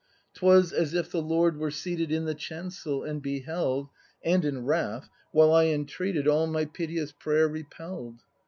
'Twas as if the Lord were seated In the chancel, and beheld. And in wrath, while I entreated. All my piteous prayer repell'd!